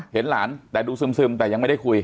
เห็นหลานแต่ดูซึมแต่ยังไม่ได้คุย